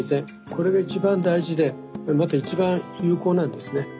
これが一番大事でまた一番有効なんですね。